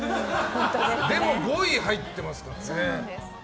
でも５位に入ってますからね。